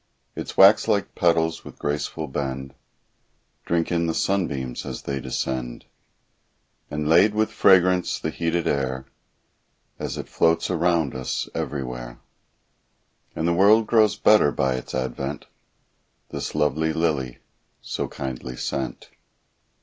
Its wax like petals with graceful bend, Drink in the sunbeams as they descend; And lade with fragrance the heated air As it floats around us everywhere; And the world grows better by its advent, This lovely lily, so kindly sent.